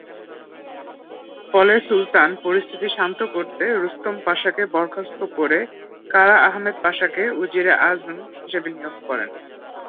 ফলে সুলতান পরিস্থিতি শান্ত করতে রুস্তম পাশাকে বরখাস্ত করে কারা আহমেদ পাশাকে উজিরে আজম হিসেবে নিয়োগ দেন।